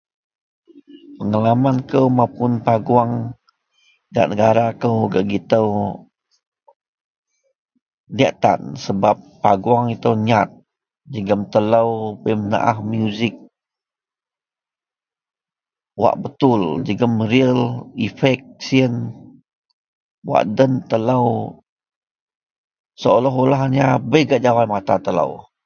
Pengalaman kou mapuon paguong gak negara kou gak gito diyak tan sebab paguong ito nyat jegem telo bei menaah musik wak betul jegem ril efek siyen wak den telo saolah-olahnya bei gak jawai mata telo.